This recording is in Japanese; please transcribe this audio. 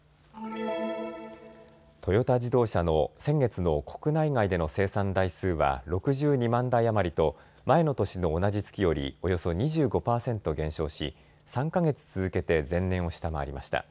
トヨタ自動車の先月の国内外での生産台数は６２万台余りと前の年の同じ月よりおよそ２５％減少し、３か月続けて前年を下回りました。